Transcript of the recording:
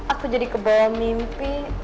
aku jadi kebawa mimpi